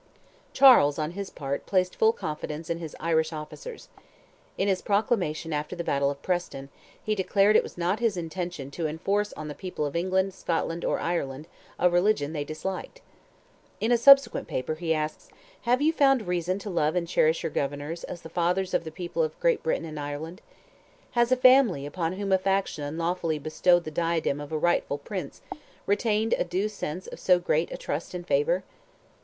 Charles, on his part, placed full confidence in his Irish officers. In his proclamation after the battle of Preston, he declared it was not his intention to enforce on the people of England, Scotland, or Ireland, "a religion they disliked." In a subsequent paper, he asks, "Have you found reason to love and cherish your governors as the fathers of the people of Great Britain and Ireland? Has a family upon whom a faction unlawfully bestowed the diadem of a rightful prince, retained a due sense of so great a trust and favour?"